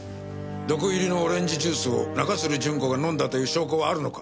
毒入りのオレンジジュースを中津留順子が飲んだという証拠はあるのか？